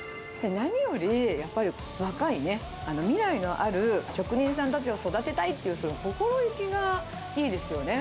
なにより、やっぱり若いね、未来のある職人さんたちを育てたいっていうその心意気がいいです